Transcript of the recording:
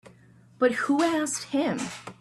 But who asked him?